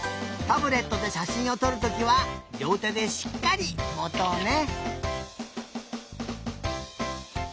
タブレットでしゃしんをとるときはりょうてでしっかりもとうね。